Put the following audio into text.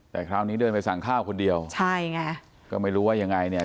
แต่คราวนี้เดินไปสั่งข้าวคนเดียวใช่ไงก็ไม่รู้ว่ายังไงเนี่ย